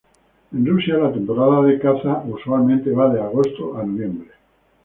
En Rusia la temporada de caza usualmente va de agosto a noviembre.